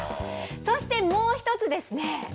そしてもう１つですね。